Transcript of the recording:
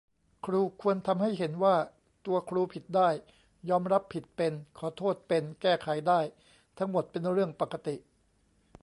ครูควรทำให้เห็นว่า ตัวครูผิดได้ ยอมรับผิดเป็น ขอโทษเป็น แก้ไขได้ ทั้งหมดเป็นเรื่องปกติ